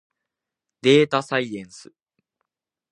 でーたさいえんす。